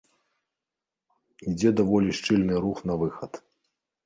Ідзе даволі шчыльны рух на выхад.